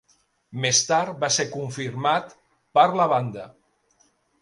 Més tard va ser confirmat per la banda.